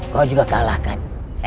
kau juga kalahkan